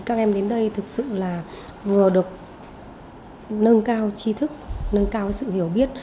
các em đến đây thực sự là vừa được nâng cao trí thức nâng cao sự hiểu biết